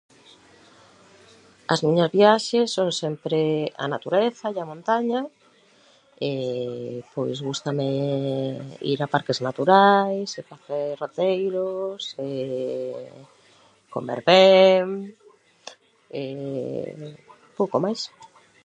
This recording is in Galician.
As miñas viaxes son sempre a natureza e a montaña. Pois gústame ir a parques naturais e facer roteiros, comer ben, pouco máis.